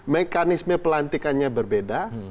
mekanisme pelantikannya berbeda